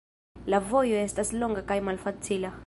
La vojo estas longa kaj malfacila.